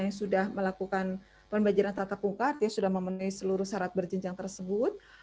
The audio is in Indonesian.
yang sudah melakukan pembelajaran tatap muka artinya sudah memenuhi seluruh syarat berjenjang tersebut